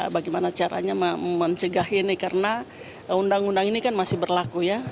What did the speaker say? bagaimana caranya mencegah ini karena undang undang ini kan masih berlaku ya